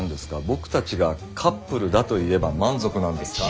僕たちがカップルだと言えば満足なんですか？